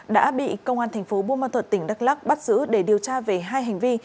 đã bị công an thành phố buôn ma thuật tỉnh đắk lắc bắt giữ để điều tra về hai hành vi